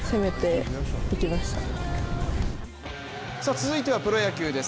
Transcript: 続いてはプロ野球です。